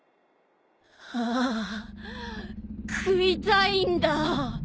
ああ食いたいんだ！